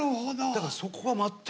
だからそこは全く。